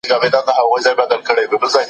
د هنر ارزونه څنګه کيږي؟